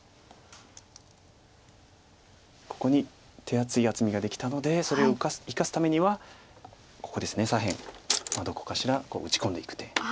ここに手厚い厚みができたのでそれを生かすためにはここです左辺どこかしら打ち込んでいく手。